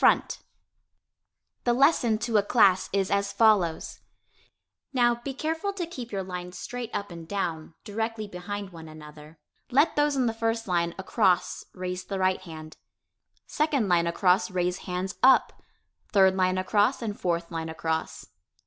] [Illustration: Inclining the Head] THE LESSON TO A CLASS IS AS FOLLOWS Now, be careful to keep your lines straight up and down, directly behind one another. Let those in the first line across raise the right hand. Second line across raise hands up; third line across, and fourth line across.